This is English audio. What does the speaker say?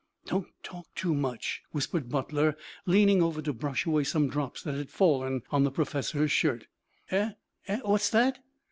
"Don't talk too much," whispered Butler leaning over to brush away some drops that had fallen on the professor's shirt. "Eh? Eh? What's that?"